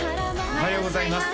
おはようございます